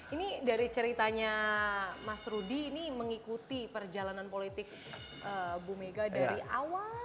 ini dari ceritanya mas rudy ini mengikuti perjalanan politik bu mega dari awal